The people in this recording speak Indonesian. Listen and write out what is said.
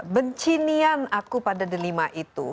bencinian aku pada delima itu